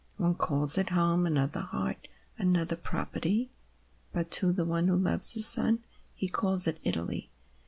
One calls it Home, another Heart, another Property, But to the one who loves the sun He calls it Italy.